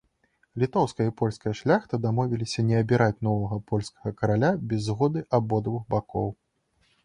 Літоўская і польская шляхта дамовіліся не абіраць новага польскага караля без згоды абодвух бакоў.